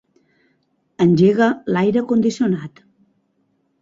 Engega l'aire condicionat.